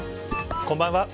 こんばんは。